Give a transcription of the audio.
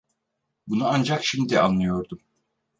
Bunu ancak şimdi anlıyordum.